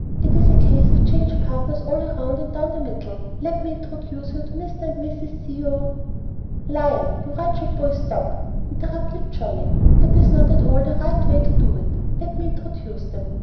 It is a case of 'change partners all round and down the middle.' Let me introduce to you Mr. and Mrs. Theo " "Lion, you wretched boy, stop!" interrupted Johnnie. "That's not at all the right way to do it. Let me introduce them.